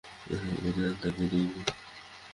সে সময়ে এ প্রতিদান তাকে দিইনি।